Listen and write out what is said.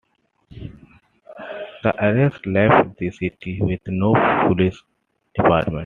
The arrests left the city with no police department.